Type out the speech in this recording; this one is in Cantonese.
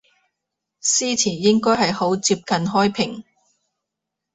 司前應該係好接近開平